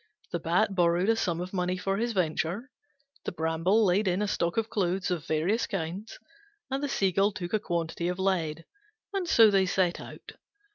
The Bat borrowed a sum of money for his venture; the Bramble laid in a stock of clothes of various kinds; and the Seagull took a quantity of lead: and so they set out.